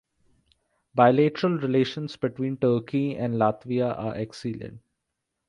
Bilateral relations between Turkey and Latvia are excellent.